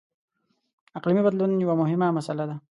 • اقلیمي بدلون یوه مهمه مسله ده.